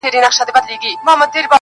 ما درته ویل چي په اغیار اعتبار مه کوه!!